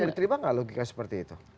diterima nggak logika seperti itu